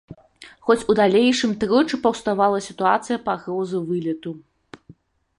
Хоць у далейшым тройчы паўставала сітуацыя пагрозы вылету.